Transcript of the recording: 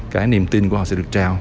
cái niềm tin của họ sẽ được trao